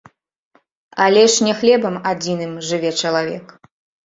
Але ж не хлебам адзіным жыве чалавек.